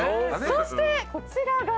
そしてこちらが。